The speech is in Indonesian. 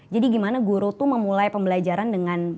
jadi gimana guru tuh memulai pembelajaran dengan